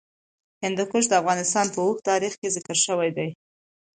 هندوکش د افغانستان په اوږده تاریخ کې ذکر شوی دی.